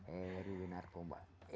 ery winar kombal